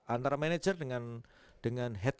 antara manajer dengan head